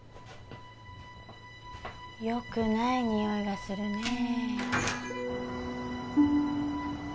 よくないにおいがするねぇ。